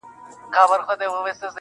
نو دا شعرونه یې د چا لپاره لیکلي دي؟ -